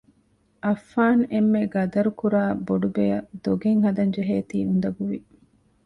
އައްފާން އެންމެ ޤަދަރުކުރާ ބޮޑުބެއަށް ދޮގެއް ހަދަން ޖެހޭތީ އުނދަގޫވި